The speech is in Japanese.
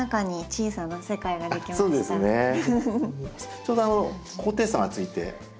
ちょうど高低差がついて。